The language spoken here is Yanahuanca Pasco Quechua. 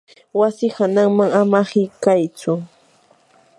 wasi hananman ama hiqaytsu.